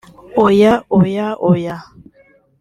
Oya oya oya